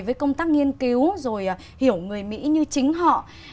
với công tác nghiên cứu rồi hiểu người mỹ như chính họ